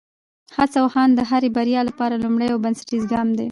هڅه او هاند د هرې بریا لپاره لومړنی او بنسټیز ګام دی.